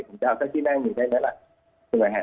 ผมจะเอาทั้งที่นั่งหนูได้นั่นแหละ